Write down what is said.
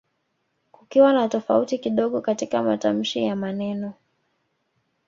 kukiwa na tofauti kidogo katika matamshi ya maneno